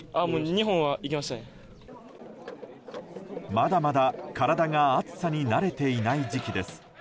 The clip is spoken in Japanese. まだまだ体が暑さに慣れていない時期です。